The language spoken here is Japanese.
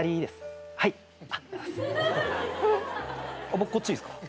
僕こっちいいっすか？